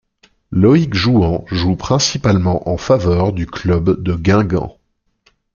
Loïc Jouan joue principalement en faveur du club de Guingamp.